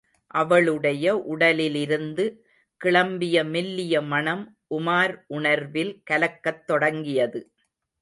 அவளுடைய உடலிலிருந்து கிளம்பிய மெல்லிய மணம் உமார் உணர்வில் கலக்கத் தொடங்கியது.